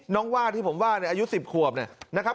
น้องว่าที่ผมว่าเลยอายุ๑๐ขวบนะครับ